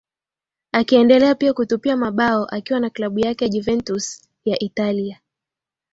akiendelea pia kutupia mabao akiwa na klabu yake ya Juventus ya Italia